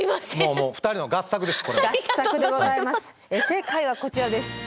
正解はこちらです。